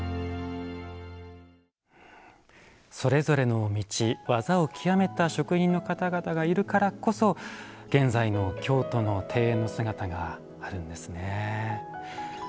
それぞれの道技を極めた職人の方々がいるからこそ現在の京都の庭園の姿があるんですね。